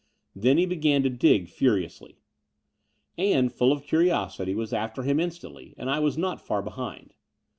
Then he began to dig furiously. Ann, full of curiosity, was after him instantly; and I was not far behind.